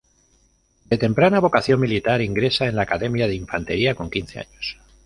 De temprana vocación militar, ingresa en la Academia de Infantería con quince años.